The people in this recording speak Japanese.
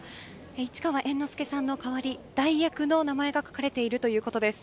市川猿之助さんの代わり代役の名前が書かれているということです。